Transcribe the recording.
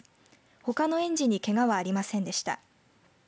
ほかの園児にけがは、ありませんでした。